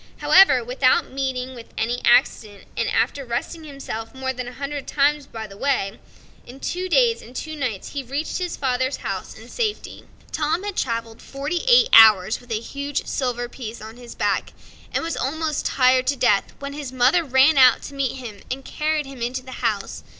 Without meeting with any accident, and after resting himself more than a hundred times by the way, in two days and two nights he reached his father's house in safety. Tom had traveled forty eight hours with a huge silver piece on his back, and was almost tired to death, when his mother ran out to meet him and carried him into the house.